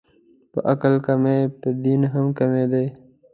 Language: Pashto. په عقل کمې، په دین هم کمې دي